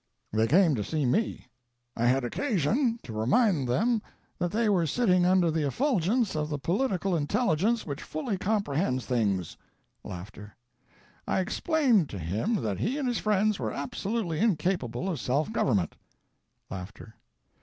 They came to see me. I had occasion to remind them that they were sitting under the effulgence of the political intelligence which fully comprehends things. I explained to him that he and his friends were absolutely incapable of self government. [Laughter.